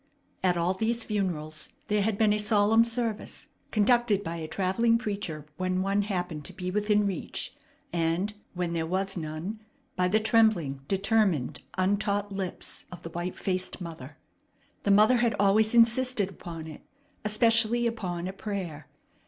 At all these funerals there had been a solemn service, conducted by a travelling preacher when one happened to be within reach, and, when there was none, by the trembling, determined, untaught lips of the white faced mother. The mother had always insisted upon it, especially upon a prayer.